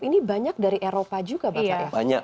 ini banyak dari eropa juga mas pak